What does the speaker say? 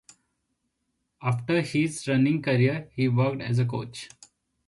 After his running career, he worked as a coach.